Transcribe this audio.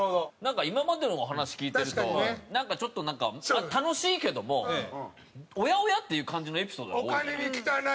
今までの話聞いてるとなんかちょっと楽しいけどもおやおや？っていう感じのエピソードが多いじゃない。